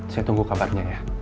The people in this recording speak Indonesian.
saya tunggu kabarnya ya